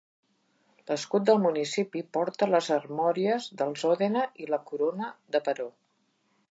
L'escut del municipi porta les armories dels Òdena i la corona de baró.